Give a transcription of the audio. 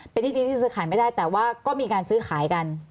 เป็นที่ดินที่ซื้อขายไม่ได้แต่ว่าก็มีการซื้อขายกัน